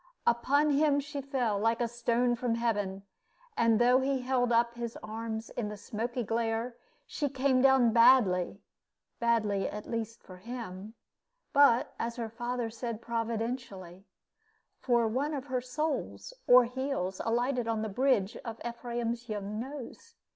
Upon him she fell, like a stone from heaven, and though he held up his arms in the smoky glare, she came down badly: badly, at least, for him, but, as her father said, providentially; for one of her soles, or heels, alighted on the bridge of Ephraim's young nose.